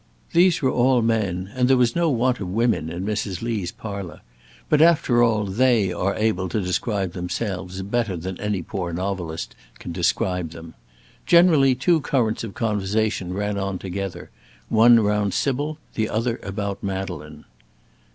These were all men, and there was no want of women in Mrs. Lee's parlour; but, after all, they are able to describe themselves better than any poor novelist can describe them. Generally two currents of conversation ran on together one round Sybil, the other about Madeleine.